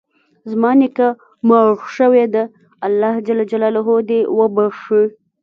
زما نیکه مړ شوی ده، الله ج د وبښي